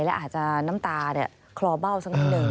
และอาจจะน้ำตาคลอเบ้าสักนิดหนึ่ง